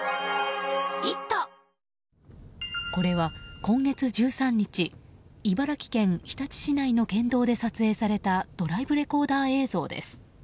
これは今月１３日茨城県日立市内の県道で撮影されたドライブレコーダー映像です。